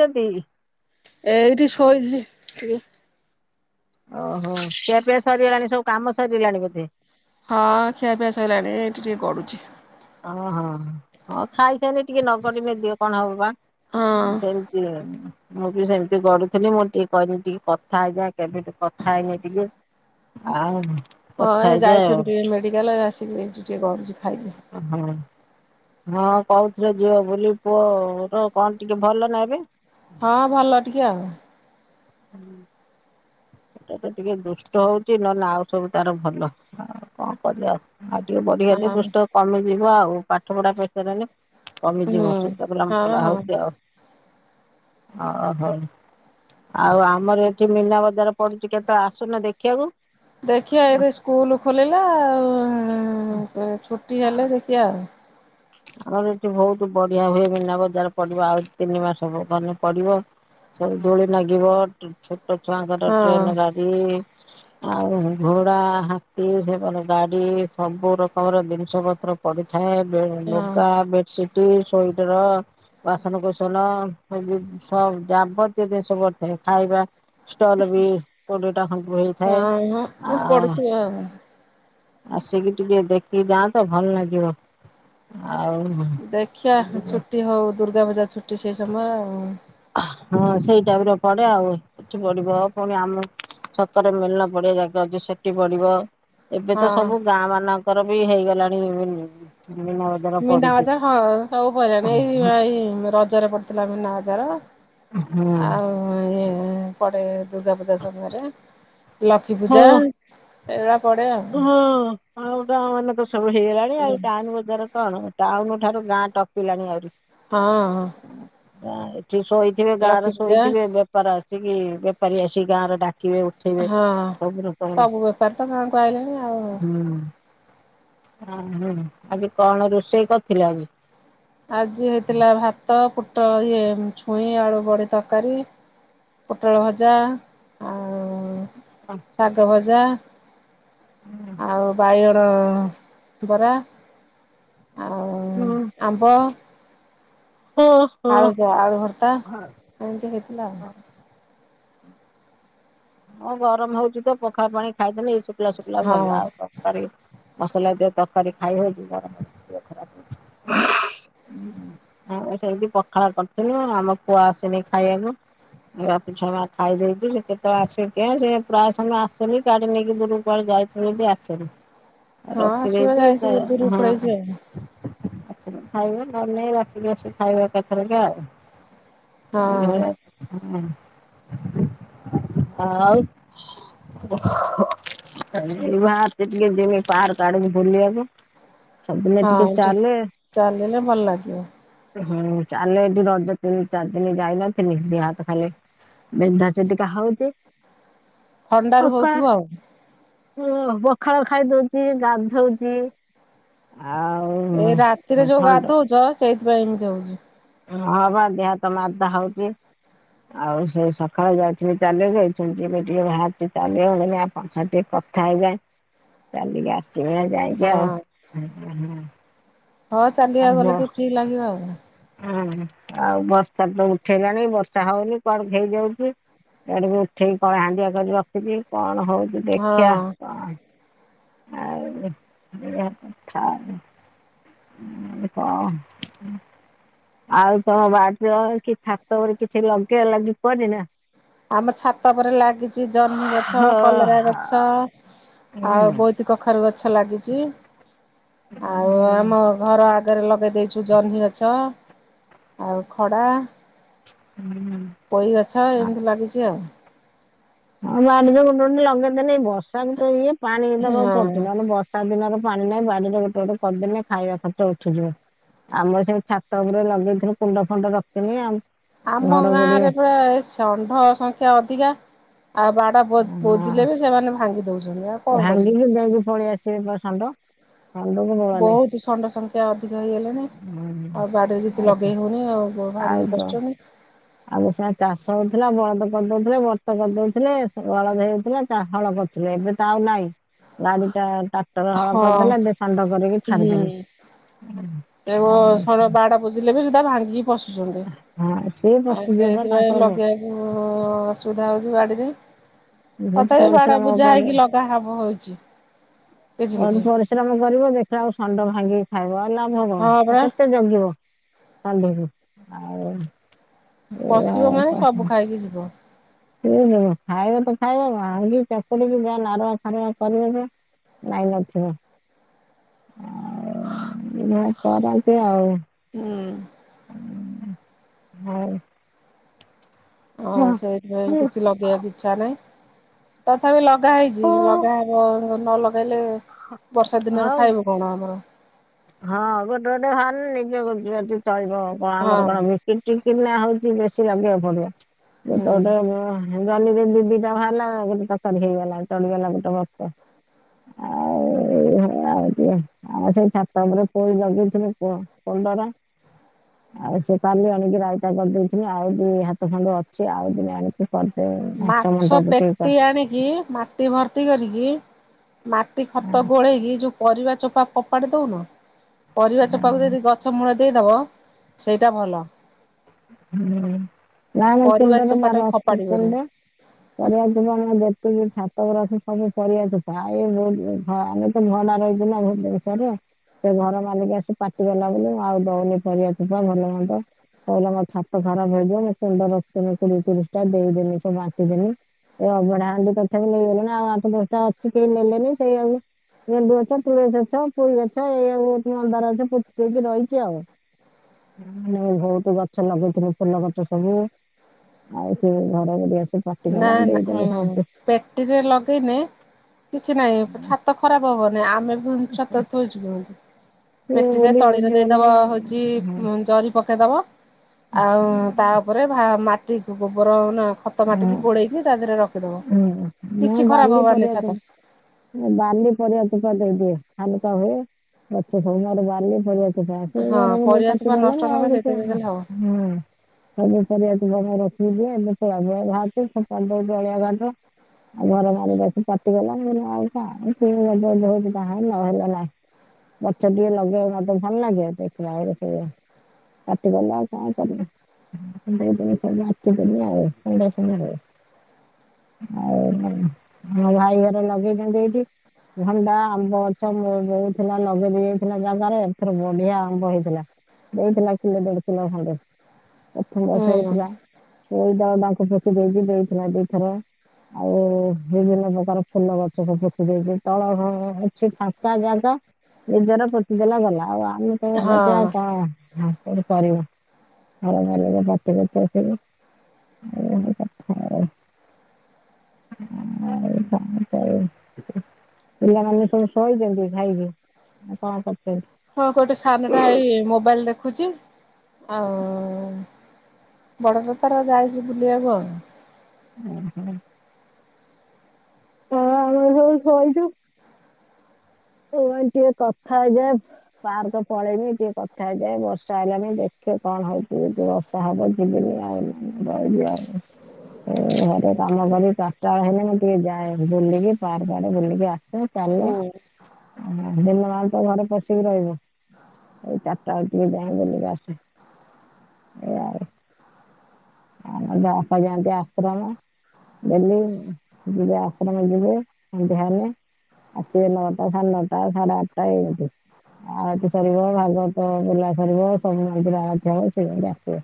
ଯଦି ଏଇଠି ଶୋଇଚି ଟିକେ। ଓହୋ ଖିଆ ପିଆ ସରିଗଲାଣି ସବୁ କାମ ସରିଗଲାଣି ବୋଧେ। ହଁ ଖିଆ ପିଆ ସଇିଲାଣି ଏଇଠି ଟିକେ ଗଡୁଚି। ଓହୋ ହଁ ଖାଇସାଇଲେ ଟିକେ ନଗଡିଲେ ଦିଅ କଣ ହବ ବା ହଁ ସେମିତି ମୁଁ ବି ସେମିତି ଗଢୁଥିଲି ମୁଁ ଟିକେ କହିମି ଟିକେ କଥା ହେଇଯାଏ କେବେଠୁ କଥା ହେଇନି ଟିକେ। ଆଉ ହଁ କଥା ହେଇଯାଏ ଆଉ ଯାଇଥିନୁ ଟିକେ ମେଡିକାଲ ଏଇ ଆସିକି ଏଇଠି ଟିକେ ଗଡୁଚି ଖାଇନି। ହଁ। ହଁ କୋହୁଥିଲା ଝିଅ ବୋଲି ପୁଅର କଣ ଟିକେ ଭଲ ନ ଏବେ? ହଁ ଭଲ ଟିକେ ଆଉ ହୁଁ। ସେଟା ତ ଟିକେ ଦୁଷ୍ଟ ହୋଉଚି ନହେଲେ ଆଉ ସବୁ ତାର ଭଲ ଆଉ କଣ କରିବା ଆଉ। ଆଉ ଟିକେ ବଢିଗଲେ ହଁ ଦୃଷ୍ଟ କମିଯିବ ଆଉ ପାଠ ପଢା ପ୍ରେସର ହେଲେ ହୁଁ କମିଯିବ ଚ - ଚଗଲା। ହଁ ଚଗଲା ହଁ। ହୋଉଚି ଆଉ। ଓହୋ ଆଉ ଆମର ଏଠି ମିନା ବ ତ ଆସୁନ ଦେଖିବାକୁ। ହଁ ଦେଖିଆ ଏବେ ସ୍କୁଲ ଖୋଲିଲା ଆଉ ଛୁଟି ହେଲେ ଦେଖିବା ଆଉ। ଆଛା ଆମର ଏଠି ବୋହୁତ ବଢିଆ ହୁଏ। ମିନା ବଜାର ପଡିବ ଆଉ ତିନି ମାସ ଭୁବନରେ ପଡିବ। ସବୁ ଦୋଳି ନାଗିବ ଛୋଟ ଛୁଆଙ୍କର ଆଉ। ଟ୍ରେନ ଗାଡି ଆଉ ଘୋଡା ହାତୀ ସେମାନେ ଗାଡି ସବୁ ରକମର ଜିନିଷ ପତ୍ର ପଡିଥାଏ ବେ ହଁ ଲୁଗା ବେଡସିଟ ସୁଇଟର ବାସନ କୁସନ ଏ ଜୁଜୁ ସବୁ ଯାବତୀୟ ଜିନିଷ ପଡିଥାଏ ଖାଇବା ଷ୍ଟଲ ବି କୋଡିଏ ଖଣ୍ଡ ହେଇଥାଏ ଉଁ ଉଁ ଆଉ ପଡ଼ିଥିବ ଆଉ ଆସିକି ଟିକେ ଦେଖିକି ଯାଆନ୍ତ ଭଲ ନାଗିବ। ଦେଖିବା ଛୁଟି ହଉ ଦୁର୍ଗା ପୂଜା ଛୁଟି ସେଇ ସମୟ ଆଉ ହଁ ସେଇ ଟାଇମ ରେ ପଡେ ଆଉ ଏଠି ପଢିବ ପୁଣି ଆମ ଛକ ରେ ମେଳନ ପଡିଆ ଜାଗା ଅଛି ସେଠି ବଡିବ ଏବେ ତ ହଁ। ସବୁ ଗାଁ ମାନଙ୍କର ବି ହେଇଗଲାଣି ମୀନା ବଜାର ମିନା ପଡୁଛି। ବାଜାର ହଁ ସବୁ ପଇଲାଣି ଏଇ ରଜରେ ପଡିଥିଲା ମିନା ବଜାର ହୁଁ। ପଡେ ଦୁର୍ଗା ପୂଜା ସମୟରେ ଲକ୍ଷ୍ମୀ ହଁ ପୂଜା ଏରା ହଁ ଆଉ ଗାଁ ମାନଙ୍କରେ ସବୁ ହେଇ ଗଲାଣି ଆଉ ଟାଉନ ବଜାର କଣ ଟାଉନ ଠାରୁ ଗାଁ ଟପିଲାଣି ଆହୁରି ହଁ ହଁ। ଏଠି ଶୋଇଥିବେ ଗାଁ ଲକ୍ଷ୍ମୀ ରେ ପୂଜା ଶୋଇଥିବେ ବେପାର ଆସିକି ବେପାରୀ ଆସିକି ଗାଁରେ ଡା ହଁ ସବୁ ବେପାରି ତ ଗାଁ କୁ ଆଇିଲେଣି ଆଉ ଅ ହୁଁ ଆଜି କଣ ରୋଷେଇ କରିଥିଲ ଆଜି? ଆଜି ହେଇଥିଲା ଭାତ ପୋ ଟଳ ଇଏ ଛୁଇଁ ଆଳୁ ବଡ଼ି ତରକାରୀ ପୋଟଳ ଭଜା ଆଉ ଶାଗ ଭଜା ଆଉ ବାଇଗଣ ବରା ଆଉ ହୁଁ। ଆମ୍ବ ଓ ହୋ। ଆଳୁ ଯ ଆଳୁ ଭର୍ତ୍ତା ଏମତି ହେଥିଲା ଆଉ। ହଁ ଗରମ ହଉଚି ତ ପଖାଳ ପାଣି ଖାଇଦେଲେ ଶୁକିଲା ଶୁକିଲା ଭଲ ଆଉ ତରକାରୀ ମସଲା ଦି ତରକାରୀ ଖାଇ ହଉଚି ଗରମ ଦେହ ଖରାପ ହଉଚି ଆମେ ସେମିତି ପଖାଳ କରିୁଥିଲୁ ଆମ ପୁଅ ଆସନି ଖାଇବାକୁ ଏ ବାପ ଛୁଆ ମା ଖାଇଦେଇ କି ସେ କେତେଏଳେ ଆଶିବ କେଜାଣି ସେ ପ୍ରାୟ ସମୟ ଆଶେନି ଗାଡି ନେଇକି ଦୂରକୁ କୁଆଡେ ଯାଇଥିବ ଯଦି ଆସ ହଁ ଆସିବ ରଖିଦେଇଛିି ତା ଯାଇଛି ଗୁରୁକୁ ହଁ। ପଳେଇଛି ଆଉ ଆସିନେ ଖାଇବା ନ ହେନେ ରାତିିକି ଆସିକି ଖାଇବ ଏକାଥରକେ ଆଉ ହଁ [unintelligible] ଆଉ ଏ ବାହାରିଚି ଟିକେ ଜିମି ପାର୍କ ଆଡକୁ ବୁଲିବାକୁ ସବୁଦିନେ ଟିକେ ହଁ ଯା ଚାଲେ ଚାଲିଲେ ଭଲ ଲାଗିବ। ହୁଁ ଚାଲେ ଏଠି ରଜ ତିନି ଚାରି ଦିନ ଯାଇନଥିଲି ଦେହ ହାତ ଖାଲି ବିନ୍ଧା ଧା ହଉଚି ଥଣ୍ଡାରୁ ଆଉ କା ହଉଥିବ ହ ପଖାଳ ଖାଇଦଉଚି ଗାଧୋଉଚି ଏଇ ରାତିରେ ଯୋଉ ଗାଧୋଉଚ ସେଇଥିପାଇଁ ଏମିତି ହଉଚି ହଁ ବା ଦେହ ହାତ ମାରଦା ହଉଚି ଆଉ ସେ ସକାଳେ ଯାଇଥିଲି ଚାଲିବାକୁ ଏଇଖୁଣି ଯିବି ଟକେ ବାହାରିଚି ଚାଲିବାକୁ ମୁଁ କହିନୀ ପଛେ କଥା କଥା ହେଇଯାଏ ଚାଲିକି ଆସିବେ ଯାଇକି ହଁ ଆଉଁ ହଁ ଚାଲିବା ଗଲେ ଟିକେ ଫ୍ରି ଲାଗିବ ଆଉ। ହୁଁ ଆଉ ବର୍ଷା ତ ଉଠେଇଲାଣି ବର୍ଷା ହଉନି କଣ ହେଇଯାଉଚି ଏଇଆଡ଼କୁ ଉଠେଇକି କଳା ହଣ୍ଡିଆ କରିକି ରଖିଛି କଣ ହଉଛି ଦେଖିବା ହଁ କଣ [unintelligible] [unintelligible] ଆଉ ତମ ବାଡ଼ିର କି ଛାତ ଉପରେ କିଛି ଲଗିଆ ଲାଗି କରିନା? ଆମ ଛାତ ଓପରେ ଲାଗିଚି ଜହ୍ନି ଗଛ ହଁ କଲରା ଗଛ। ହୁଁ ଆଉ ବୋଇତି କଖାରୁ ଗଛ ଲାଗିଚି ଆଉ ହୁଁ ଆମ ଘର ଆଗରେ ଲଗେ ଦେଇଚୁ ଜହ୍ନି ଗଛ ଆଉ ଖଡ଼ା। ହୁଁ। ପୋଇ ଗଛ ଏମିତି ଲାଗିଚି ଆଉ। ହଁ ବାଡ଼ିରେ ଗୋଟେ ଗୋଟେ ଲଗେଇ ଦେନେ ଏଇ ବ ର୍ଷାକୁ ତ ଇଏ ପାଣି ଦବାକୁ ହଁ ପଡ଼ୁଚି ନହେନେ ବର୍ଷା ଦିନର ପାଣି ନାହିଁ ବାଡ଼ି ରେ ଗୋଟେ ଗୋଟେ କରିଦେନେ ଖାଇବା ଖର୍ଚ୍ଚ ଉଠିଯିବ। ଆମର ସେମି ଛାତ ଓପରେ ଲଗେଇଥିନୁ କୁଣ୍ଡ ଫୁଣ୍ଡ ରଖିଥିନି ଆଉ। ଆମ ଗାଁରେ ପା‌ ଏ ଷଣ୍ଢ ସଂଖ୍ୟା ଅଧିକା। ଆଉ ବାଡ଼ ବୋ ହଁ ବୋଜିଲେ ବି ସେମାନେ ଭାଙ୍ଗି ଦୋଉଚନ୍ତି ଆଉ କଣ କରିବେ ଭାଙ୍ଗିକି ଯାଇଁକି ପଳିଆସିବେ ପା ଷଣ୍ଢ। ଷଣ୍ଢକୁ ମୂଳ ନାହିଁ ବହୁତ ଷଣ୍ଡ ସଂଖ୍ୟା ଅଧିକ ହେଇଗଲେଣି ହୁଁ। ଆଉ ବାଡ଼ିରେ କିଛି ଆଉ କ- ଲଗେଇ ହଉନି ଆଉ। ଗୋ ଭାଙ୍ଗିକି ପଶୁଚନ୍ତି। ଆଗୁରୁ ସା ଚାଷ ହଉଥୁଲା ବଳଦ କରଦୋଉଥୁଲେ ବରତ କରଦୋଉଥିଲେ ସ ବଳଦ ହେଉଥିଲା ଚା ହଳ କରୁଥୁଲେ ଏବେ ତ ଆଉ ନାଇଁ ଗାଡ଼ି ଟା ଚା ଟର ହଳ ହଁ କରଦେଲେ ଦେ ଷଣ୍ଢ କରିକି ଛାଡ଼ିଦେଲେ। ଏ ବୋ ଆଉ ସର ବାଡ଼ ବୁଜିଲେ ବି ଡା ଭାଙ୍ଗିକି ପଶୁଚନ୍ତି ହଁ ସିଏ ଆଉ ପଶିଯିବେ ବା ସେଇଥିପାଇଁ ତାଙ୍କର ବ- ଲଗେଇବାକୁ ଅସୁବିଧା ହଉ ଯୁ ଆଡି଼ରେ ବହୁତ ତଥାପି ବାଡ଼ ପରିଶ୍ରମ ବୁଜା ହେଇକି ଲଗା ହବ ହଉଚି। ଅନୁ ପରିଶ୍ରମ କରିବ ଦେଖିଲା ଆଉ ଷଣ୍ଡ ଭାଙ୍ଗିକି ଖାଇବ ଆ ଲାଭ କଣ ହଁ ଆ ପରା କେତେ ଜଗିବ ଷଣ୍ଢକୁ ଆଉ ପଶିବ ମାନେ ସବୁ ଖାଇକି ଯିବ। ଏ ଯିବ ଖାଇବ ତ ଖାଇବ ଭାଙ୍ଗି ଚକଟିକି ଯା଼ଆ ନାରମା ଫାରମା କରିବ ଯେ ନାଇଁ ନଥିବ ଆ ଏଇନା କରନ୍ତି ଆଉ। ହୁଁ। ଆଉ ହଉ। ଅଁ ହଉ ସେଇଥିପାଇଁ କିଛି ଲଗେଇବାକୁ ଇଚ୍ଛା ନାହିଁ ତଥାପି ଲ ଲଗା ହେଇଚି ହଁ ଲଗାହବ ନ ଲଗେଇଲେ ବର୍ଷା ଦିନରେ ହଁ ଖାଇବୁ କଣ ଆମର? ହଁ ଗୋଟେ ଗୋଟେ ହଲ୍ ନିଜ ଗୁଜୁରାଟି ଚଳିବ କଣ ଆମର ହଁ କଣ ବିକିର୍ ଟିକିର୍ ନା ଆ ହଉଚି ବେଶୀ ଲାଗିଆକୁ ପଡ଼ିବ ଗୋଟେ ହୁଁ ଗୋଟେ ମୁଁ ଜହ୍ନିରେ ଦି ଦିଟା ଭାରଲା ଗୋଟେ ତକାରୀ ହେଇଗଲା ଚଳିଗଲା ଗୋଟେ ବକ୍ତ। ଆଉ ଏଇ ହଳିଆ ହଉଚି ଆଉ ସେ ସା ତାପରେ ପୋଇ ଲଗେଇଥିଲେ କ କଲରା ଆଉ ସେ କାଲି ଆଣିକି ରାଇତା କରିଦେଇଥିନି ଆଉ ଦି ହାତ ଖଣ୍ଡେ ଅଛି ଆଉ ଦିନେ ଆଣିକି କ ମାଛ ପେଟି ଆଣିକି ମାଟି ଭର୍ତି କରିକି ମାଟି ଖତ ଗୋଳେଇକି ଯୋଉ ପରିବା ଚୋପା ଫୋପାଡ଼ି ଦୋଉନ ପରିବା ଚୋପାକୁ ଯଦି ଗଛ ମୂଳ ଦେଇଦବ ସେଇଟା ଭଲ। ହୁଁ। ନାଁ ନାଇଁ ପରିବା ସେଉଡ଼ାକ ମୁଁ ଆ ଚୋପାଟାକୁ ରଖି ଫୋପାଡିବନି କୁଣ୍ଡେ ପରିବା ଚୋପା ମୁଁ ଯେତିକି ଛା ତାକୁ ରଖେ ସବୁ ପରିବା ଚୋପା ଏ ବୋ ହଁ ଆମେ ତ ଭଡ଼ା ରହିଚୁ ନାଁ ଭୁବେନଶୋରରେ। ସେ ଘର ମାଲିକ ଆସି ପାଟିକଲା ବୋଲି ମୁଁ ଆଉ ଦଉନି ପରିବା ଭଲ ମନ୍ଦ। କହିଲା ମୋ ଛାତ ଖରାପ ହେଇଯିବ ମୁଁ କୁଣ୍ଡ ରଖିଥିନି କୋଡ଼ିଏ ତିରିଶଟା ଦେଇଦେନି ସବୁ ବାଣ୍ଟିଦେନି। ଏ ଅଭଡ଼ା ହାଣ୍ଡି ତଥାପି ନେଇଗଲେଣି ଆଉ ଆଠ ଦଶଟା ଅଛି କେହି ନେଲେନି ସେଇଆକୁ ଗେଣ୍ଡୁ ଗଛ ତୁଳସୀ ଅଛ ପୋଇ ଅଛ ଏଇଆକୁ ତି ମନ୍ଦାର ଅଛ ପୋତିଦେଇଚି ରହିଚି ଆଉ। ନାମ ନୋଉ ହଉ ତୁ ଗଛ ଲଗେଇଥିଲୁ ଫୁଲ ଗଛ ସବୁ ଆଉ ସେ ଘର ଗରିଆ ନାଁ ନାଁ ଉଁ ପେଟିରେ ଲଗେଇନେ କିଛି ନାହିଁ ପ ଛାତ ଖରାପ ହବନେଇ ଆମେ ଫୁଣି ଛାତରେ ଥୋଇଚୁ କେମିତି? ସେ ପେଟିରେ ବୋଲି ତଳିରେ ବୁଝିଗଲେ ଦେଇଦବା ହଉଛି ହଁ ଜରି ପକ ଦବ ଆଉ ତା ଉପରେ ମାଟି ଗୋବର ନା ଖତ ହଁ ମାଟିକି ଗୋଳେଇକି ତା ଦେହରେ ରଖିଦବ ହୁଁ ମୁଁ କିଛି ଖରାପ ବାଲି ପରିବା ହବାରନାହିଁ ଛାତ ଚୋପା ବାଲି ପରିବାଚୋପା ଦେଇଦିଏ ହାଲୁକା ହୁଏ ଗଛ ସବୁ ବାଲି ପରିବା ଘର ହଁ ଟିକେ ପରିବା ପାଟି ଚୋପା ପାରିଲ ନଷ୍ଟ ନହବ ଆଉ ସବୁ ସେଇଥିପାଇଁ ଦେଲେ ହବ। ପରିବା ରଖିଆ ଘାଟ ଅଳିଆ ଘାଟ ଆଉ ଘର ମାଲିକ ଆସି ପାଟିକଲା [unintelligible] ନହେଲେ ନାହିଁ। ଗଛ ଟିକଏ ଲଗେଇଲେ ମତେ ଭଲ ଲାଗେ ଦେଖିଲାବେଳକୁ ସେୟା ପାଟିଗଲା ଆଉ କଣ କରିବ ଆଉ [unintelligible] [unintelligible] ଆଉ ଭାଇଘର ଲଗେଇଛନ୍ତି ଏଇଠି ଭଣ୍ଡା ଆମ୍ବ ଅଛମୋ ବୋଉ ଥିଲା ଲଗଦ ଯାଇଥିଲା ଜାଗାରେ ଏଥର ବଢିଆ ଆମ୍ବ ହେଇଥିଲା। ଦେଇଥିଲା କିଲୋ ଦେଢ଼ କିଲୋ ଖଣ୍ଡେ। ପ୍ରଥମ ବର୍ଷ ହେଇଥିଲା ହୁଁ ତାଙ୍କୁ ପଟି ଦେଇକି ଦେଇଥିଲା ଦୁଥର। ଆଉ ବିଭିନ୍ନ ପ୍ରକାର ଫୁଲ ଗଛ ସବୁ ପୋତି ଦେଇଛି ତଳ ଘର ଅଛି ଫାଙ୍କା ଜାଗା। ନିଜର ପୋତିଦେଲା ଗଲା ଆଉ ଆମେ ତ ଭଡାଟିଆ ଆଉ ହଁ କଣ। [unintelligible] [unintelligible] [unintelligible] ଆଉ ପିଲାମାନେ ସବୁ ଶୋଇଛନ୍ତି ଖାଇକି। ଆଉ କଣ କରୁଛନ୍ତି? ହଁ ଗୋଟେ ସାନଟା ଏଇ ମୋବାଇଲ ଦେଖୁଛି। ହ ବଡ ତାର ଯାଇଛି ବୁଲିବାକୁ ଆଉ। ଓହୋ। ହଁ ସବୁ ଶୋଇଚୁ। ଭାଇ ଟିକେ କଥା ହେଇଯାଏ ପାର୍କ ପଳେଇନି ଟିକେ କଥା ହେଇଯାଏ ବର୍ଷା ହେଲାନି ଦେଖ। ଦେଖ କଣ ହଉଚି ଯଦି ବର୍ଷା ହବ ଯିବିନି ଆଉ ରଇବି ଆଉ। ଏ ଘରେ କାମ କରି ଚାରିଟା ବେଳ ହେଲେ ମୁଁ ଟିକେ ଯାଏ ବୁଲିକି ପାର୍କ ଆଡେ ବୁଲିକି ଆସ। ହଁ। ହ ଦିନ ମାନ ତ ଘରେ ପଶିକି ରହିବ। ଏଇ ଚାରିଟା ବେଳେ ଟିକେ ଯାଏ ବୁଲିକି ଆସେ। ଏଇଆ ଆଉ [inaudible] ଆମ ବାପା ଯାଆନ୍ତି ଆଶ୍ରମ। ଦେଲି ଯିବେ ଆଶ୍ରମ ଯିବେ ସନ୍ଧ୍ୟା ହେଲେ। ଆସିବ ନଅଟା ସାଢ଼େ ନଅଟା ସାଢ଼େ ଆଠଟା ଏମିତି। ଆଳତୀ ସରିବ, ଭାଗବତ ବୋଲା ସରିବ, ସବୁ ମନ୍ଦୀର ଆଲତି ହବ ସେ ଆସିବ।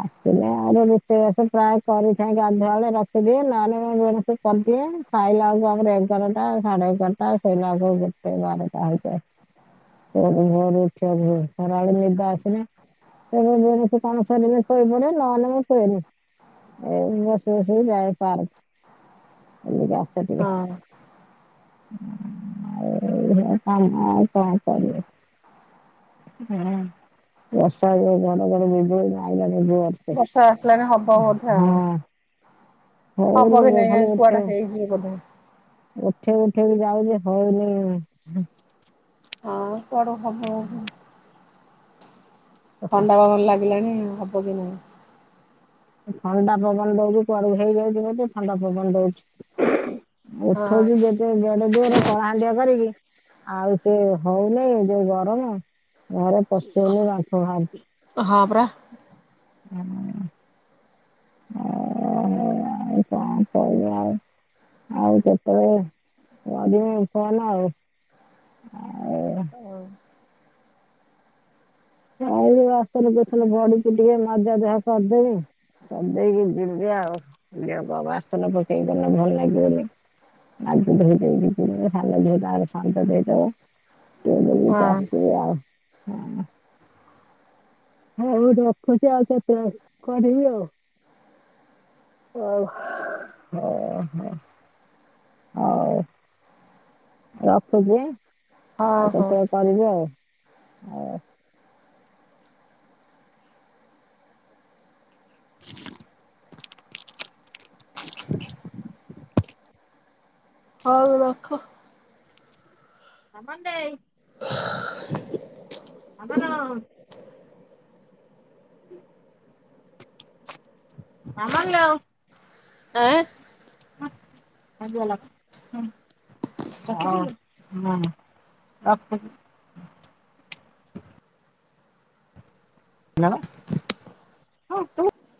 ଆଛା। ପ ଆର ରୋଷେଇବାସ ପ୍ରାୟ କରିଥାଏ ଗାଧୁଆ ବେଳେ ରଖିଦିଏ ରାତିରେ ନ ନଣ ସବ ଚାଲିଥିବ। ଖାଇଲା ଆଳକୁ ଆମର ଏଗାରଟା ସାଢେ ଏଗାରଟା ସୋଇଲା ଗୋଟେ ବାରଟା ହେଇଯାଏ। ଭୋରୁ ଉଠିବାକୁ ହୁଏ ଖରା ବେଳେ ନିଦ ଆସିଲେ। କାମ ସରିଲେ ଶୋଇପଡ଼େ। ନଲେ ମୁଁ ଶୁଏନି ବସି ବସି ଯାଏ ପାର୍କ। [inaudible] ଏଇ ହଁ କାମ ଆଉ କଣ କରିବ। ବର୍ଷା ହେ ଘରେ ଘରେ ଘଡ ଘଡି ବିଜୁଳି ମାଇଲାଣି ଜୋରସେ ବର୍ଷା ଆସିଲାଣି ହବ ବୋଧେ ଆଉ ହଁ। ହଉ ହବ କି [inaudible] ନାଇଁ କାଇଁ କୁଆଡେ ଉଠେଇ ହେଇଯିବ ବୋଧେ। ଉଠେଇ ବି ଯାଉଛି ହଉନି। ହଁ କୁଆଡେ ହବ ବୋଧେ। ଥଣ୍ଡା ପବନ ଲାଗିଲାଣି ହବକି ନାହିଁ? ଥଣ୍ଡା ପବନ ଦଉଛିୁୁ କୁଆଡେ ହେଇଯାଉଛି ବୋଧେ ଥଣ୍ଡା ପବନ ଦଉଛି। ଉଠଉଛିୁ ନାହିଁ। ଯେତେ ବଡେ ଦୋର କଳାହାଣ୍ଡିଆ କରିକି ଆଉ ସେ ହଉ ନେଇ ଯୋଉ ଗରମ ଘରେ ପଶି ହଉନେଇ ବାମ୍ଫ ବାହାରୁଚି। ହଁ ହଁ ପରା ଏଇଆ ଆଉ କଣ କରିଆ ଆଉ। ଆଉ କେତେବେଳେ କରିମି ଫୋନ୍ ଆଉ। ଓ। ଖାଇଲି ବାସନ ଦି ଖଣ୍ଡ ପଡିଚି ଟିକେ ମଜା ଧୁଆ କରିଦେବି। ସଞ୍ଜ ଦେଇକି ଯିବି ଆଉ, ବାସନ ପକେଇ ଗଲେ ଭଲ ଲାଗିବନି। ମାଜି ଧୋଇ ଦେଇ ଯିବି, ସାନ ଝିଅଟା ସଞ୍ଜ ଦେଇ ଦବ। ହଉ [unintelligible] ହଁ। ହଉ ରଖୁଛି ଆଉ କେତେବେଳେ କରିବି ଆଉ। ହଉ ହ- ହ- ହ। ହଉ। ରଖୁଛି ଏଁ ଆଉ ହଉ କେତେବେଳେ କରିବି ଆଉ? ଆଉ ହଉ ରଖ। ମାମନ ଦେଇ ଆମନ। ମାମନ୍ ଲୋ। ଆଁ। [unintelligible] ହଁ ରଖୁଚି। [unintelligible]